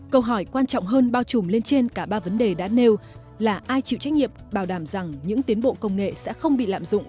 câu hỏi quan trọng hơn bao trùm lên trên cả ba vấn đề đã nêu là ai chịu trách nhiệm bảo đảm rằng những tiến bộ công nghệ sẽ không bị lạm dụng